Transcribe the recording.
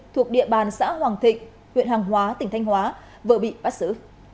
thuộc địa bàn xã hoàng thịnh huyện hàng hóa tỉnh thanh hóa vợ bị bắt xử